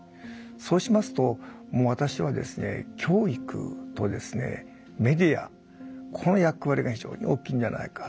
そうしますともう私はですね教育とメディアこの役割が非常に大きいんじゃないか。